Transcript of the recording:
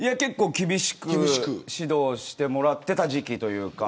厳しく指導してもらってた時期というか。